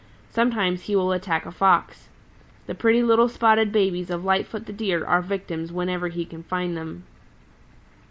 Sometimes he will attack a Fox. The pretty little spotted babies of Lightfoot the Deer are victims whenever he can find them.